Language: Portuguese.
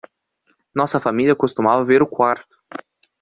Nossa família costumava ver o quarto